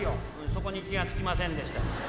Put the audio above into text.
「そこに気がつきませんでした」。